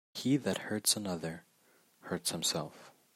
He that hurts another, hurts himself.